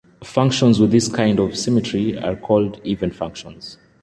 Functions with this kind of symmetry are called even functions.